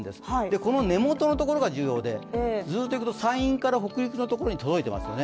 この根元のところが重要でずっといくと山陰から北陸のところに届いてますね。